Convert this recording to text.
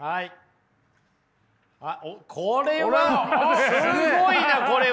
これはすごいなこれは！